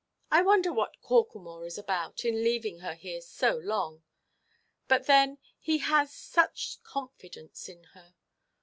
I wonder what Corklemore is about, in leaving her here so long! But then he has such confidence in her.